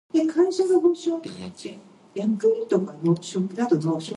And he continued his personal and professional relationship with mentor Jackie McLean.